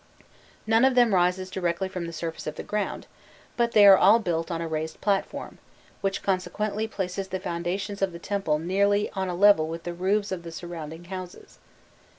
None of them rises directly from the surface of the ground, but they are all built on a raised platform, which consequently places the foundations of the temple nearly on a level with the roofs of the surrounding houses.